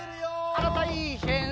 あらたいへん。